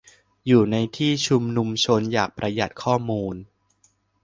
อยู่ในที่ชุมนุมชน อยากประหยัดข้อมูล